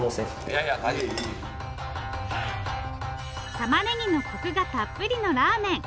たまねぎのコクがたっぷりのラーメン。